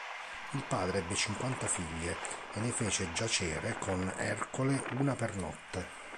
Il padre ebbe cinquanta figlie e le fece giacere con Ercole una per notte.